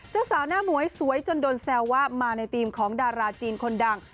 เจ้าสาวหน้าหมวยสวยจนโดนแซวว่ามาในธีมของดาราจีนคนดัง